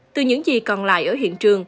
từ những gì còn lại ở hiện trường